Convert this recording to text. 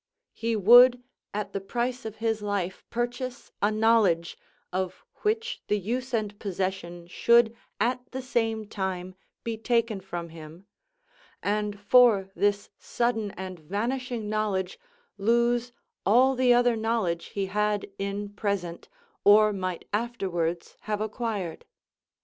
He would at the price of his life purchase a knowledge, of which the use and possession should at the same time be taken from him; and for this sudden and vanishing knowledge lose all the other knowledge he had in present, or might afterwards have acquired.